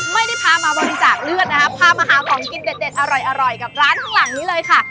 ไม่ได้พามาบริจาคเลือดนะคะพามาหาของกินเด็ดอร่อยกับร้านข้างหลังนี้เลยค่ะ